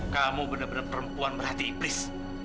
kamu bener bener perempuan berhati iblis